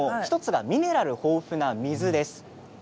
１つはミネラル豊富な水です。